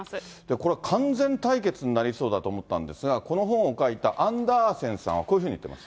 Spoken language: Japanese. これ完全対決になりそうだと思ったんですが、この本を書いたアンダーセンさんは、こういうふうに言ってます。